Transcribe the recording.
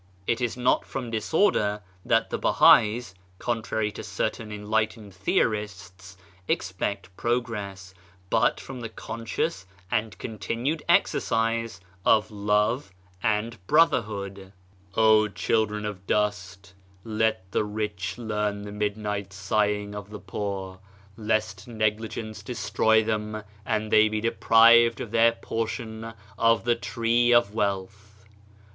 It is not from disorder that the Bahais — contrary to certain enlightened theorists — expect progress, but from the conscious and continued exercise of love and brotherhood. WORK 171 " O children of Dust, Let the rich learn the midnight sighing of the poor, lest negligence destroy them and they be de prived of their portion of the tree of wealth."